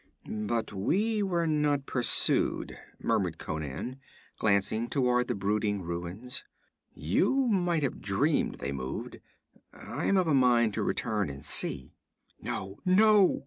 'But we were not pursued,' muttered Conan, glancing toward the brooding ruins. 'You might have dreamed they moved. I am of a mind to return and see.' 'No, no!'